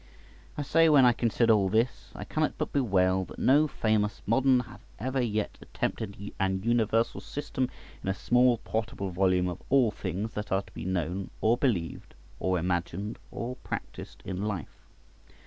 I say, when I consider all this, I cannot but bewail that no famous modern hath ever yet attempted an universal system in a small portable volume of all things that are to be known, or believed, or imagined, or practised in life.